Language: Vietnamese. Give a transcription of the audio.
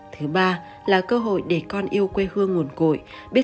thứ ba là cơ hội để con yêu quê hương nguồn cội